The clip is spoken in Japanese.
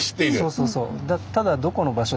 そうそうそう。